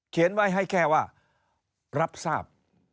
เขียนไว้ให้แค่ว่ารับทราบ